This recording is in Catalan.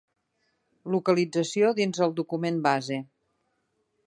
Localització dins el document base.